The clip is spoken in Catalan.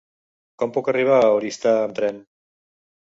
Com puc arribar a Oristà amb tren?